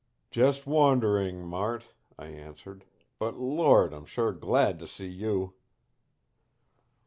"Just wandering, Mart," I answered. "But Lord! I'm sure GLAD to see you."